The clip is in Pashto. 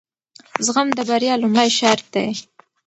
زغم د بریا لومړی شرط دی.